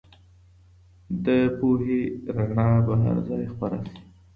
د پوهې رڼا به هر ځای خپره سي.